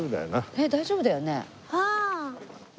えっ大丈夫だよね？